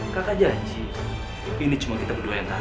kakak janji ini cuma kita berdua yang tahu